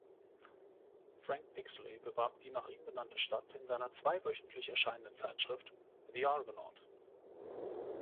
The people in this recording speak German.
Frank Pixley bewarb die nach ihm benannte Stadt in seiner zweiwöchentlich erscheinenden Zeitschrift „The Argonaut".